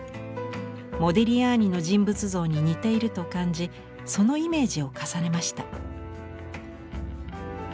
モディリアーニの人物像に似ていると感じそのイメージを重ねました。